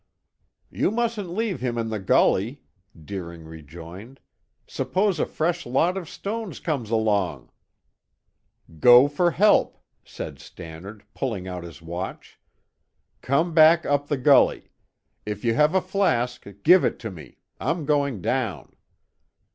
"You mustn't leave him in the gully," Deering rejoined. "Suppose a fresh lot of stones comes along?" "Go for help," said Stannard, pulling out his watch. "Come back up the gully. If you have a flask, give it to me. I'm going down."